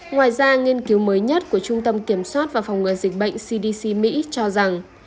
ngoài ra nghiên cứu mới nhất của trung tâm kiểm soát và phòng ngừa dịch bệnh cdc mỹ cho rằng